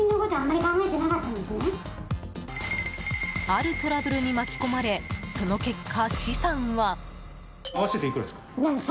あるトラブルに巻き込まれその結果、資産は。